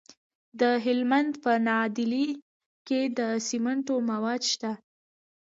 د هلمند په نادعلي کې د سمنټو مواد شته.